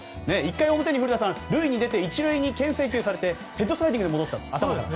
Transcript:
１回表に古田さん、塁に出て１塁に牽制球されてヘッドスライディングで戻ったと。